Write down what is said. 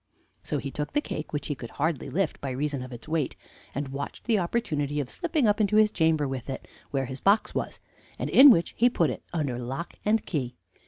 So he took the cake, which he could hardly lift by reason of its weight, and watched the opportunity of slipping up into his chamber with it, where his box was, and in which he put it under lock and key.